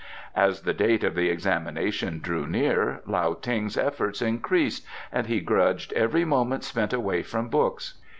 As the date of the examinations drew near, Lao Ting's efforts increased, and he grudged every moment spent away from books.